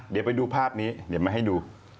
เดี๋ยวไปดูภาพนี้เดี๋ยวมาให้ดู